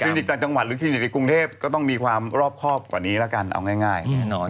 คลินิกต่างจังหวัดหรือคลินิกกรุงเทพก็ต้องมีความรอบคอบกว่านี้ละกันเอาง่าย